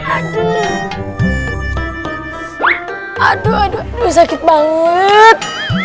aduh aduh aduh aduh sakit banget